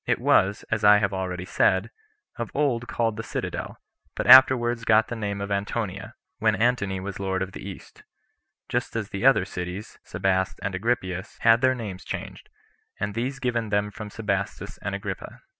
It was, as I have already said, of old called the Citadel; but afterwards got the name of Antonia, when Antony was [lord of the East], just as the other cities, Sebaste and Agrippias, had their names changed, and these given them from Sebastus and Agrippa.